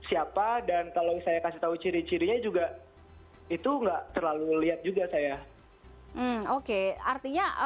siapa dan kalau saya kasih tahu ciri cirinya juga itu enggak terlalu lihat juga saya oke artinya